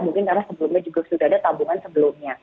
mungkin karena sebelumnya juga sudah ada tabungan sebelumnya